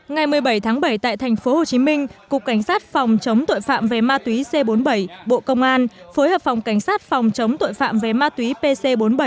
ngày một mươi bảy tháng bảy tại thành phố hồ chí minh cục cảnh sát phòng chống tội phạm về ma túy c bốn mươi bảy